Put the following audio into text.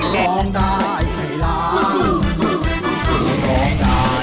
ร้องได้ให้ร้าง